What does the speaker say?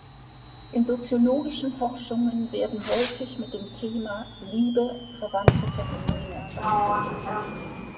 In soziologischen Forschungen werden häufig mit dem Thema Liebe verwandte Phänomene behandelt.